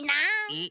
えっ？